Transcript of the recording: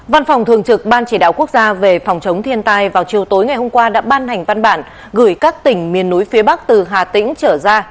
văn phòng thường trực ban chỉ đạo quốc gia về phòng chống thiên tai vào chiều tối ngày hôm qua đã ban hành văn bản gửi các tỉnh miền núi phía bắc từ hà tĩnh trở ra